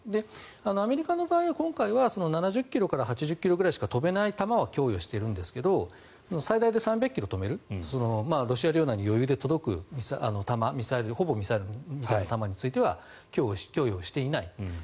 アメリカの場合は今回は７０ｋｍから８０ｋｍぐらいしか飛べない弾を供与しているんですが最大で３００ｋｍ飛べるロシア領内に余裕で届くほぼミサイルみたいな弾については供与をしていない。